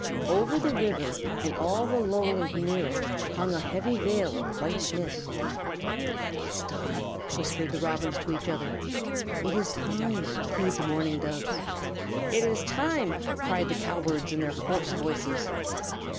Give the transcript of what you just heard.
Over the river and all the lowland near it hung a heavy veil of white mist. "It is time!" whispered the Robins to each other. "It is time!" cooed the Mourning Doves. "It is time!" cried the Cowbirds in their hoarse voices.